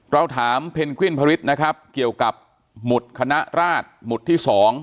เราถามเพนกวินพริษนะครับเกี่ยวกับหมุดคณะราชหมุดที่๒